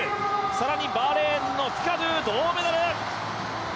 更にバーレーンのフィカドゥ銅メダル。